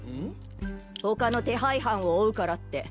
他の手配犯を追うからって。